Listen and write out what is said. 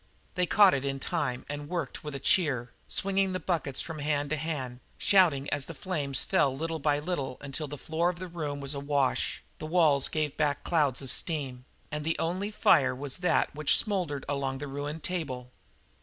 They caught it in time and worked with a cheer, swinging the buckets from hand to hand, shouting as the flames fell little by little until the floor of the room was awash, the walls gave back clouds of steam, and the only fire was that which smouldered along the ruined table.